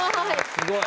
すごい。